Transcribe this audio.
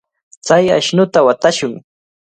Chay ashnuta watashun.